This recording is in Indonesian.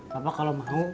papa kalau mau